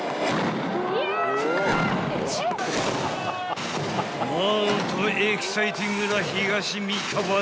［何ともエキサイティングな東三河の伝統］